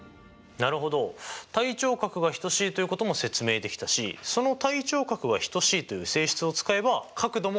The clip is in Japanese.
なるほど対頂角が等しいということも説明できたしその対頂角が等しいという性質を使えば角度も求められる。